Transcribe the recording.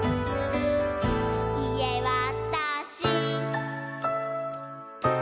「いえわたし！」